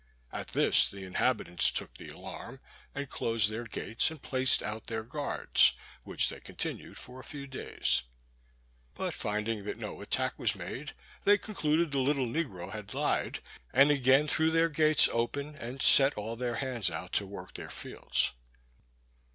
At this the inhabitants took the alarm, and closed their gates and placed out their guards, which they continued for a few days. But finding that no attack was made, they concluded the little negro had lied; and again threw their gates open, and set all their hands out to work their fields.